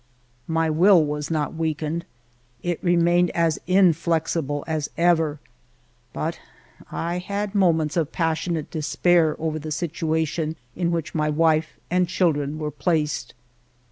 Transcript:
My will was not weak ened, it remained as inflexible as ever, but I had moments of passionate despair over the situation in which my wife and children were placed.